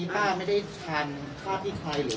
ป้าอาการแย่ลงไหมวันนี้